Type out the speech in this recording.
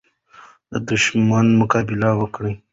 د دښمن مقابله وکړه.